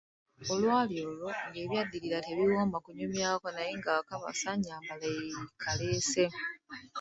Olwali olwo nga Ebyaddirira tebiwooma kunyumyako, naye ng‘akabasa nnyambala yeekaleese.